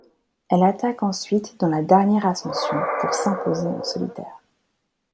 Elle attaque ensuite dans la dernière ascension pour s'imposer en solitaire.